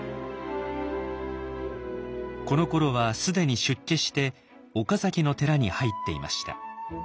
このころは既に出家して岡崎の寺に入っていました。